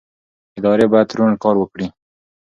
ادارې باید روڼ کار وکړي